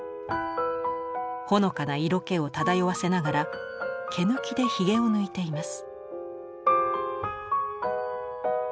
ほのかな色気を漂わせながら毛抜きでひげを抜いています。